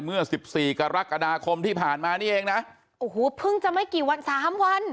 เมื่อสิบสี่กรกฎาคมที่ผ่านมานี่เองนะโอ้โหเพิ่งจะไม่กี่วันสามวัน